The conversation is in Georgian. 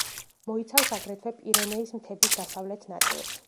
მოიცავს აგრეთვე პირენეის მთების დასავლეთ ნაწილს.